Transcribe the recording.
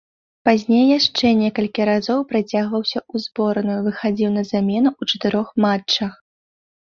Пазней яшчэ некалькі разоў прыцягваўся ў зборную, выхадзіў на замену ў чатырох матчах.